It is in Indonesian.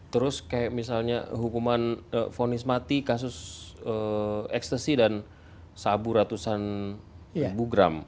terus kayak misalnya hukuman vonis mati kasus ekstasi dan sabu ratusan ribu gram